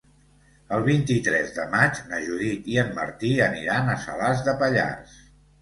El vint-i-tres de maig na Judit i en Martí aniran a Salàs de Pallars.